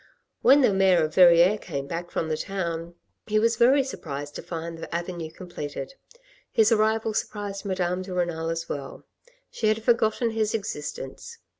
When the Mayor ot Verrieres came back from the town LITTLE EPISODS 51 he was very surprised to find the avenue completed. His arrival surprised Madame de Renal as well. She had forgotten his existence.